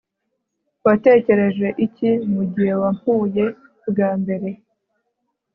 watekereje iki mugihe wampuye bwa mbere